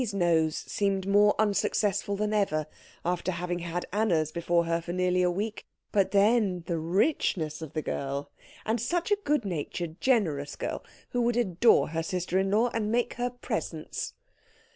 Bibi's nose seemed more unsuccessful than ever after having had Anna's before her for nearly a week; but then the richness of the girl! And such a good natured, generous girl, who would adore her sister in law and make her presents.